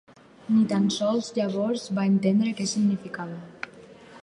Ni tan sols llavors va entendre què significava.